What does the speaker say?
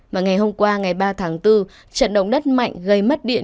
và ngày hôm qua ngày ba tháng bốn trận động đất mạnh gây mất điện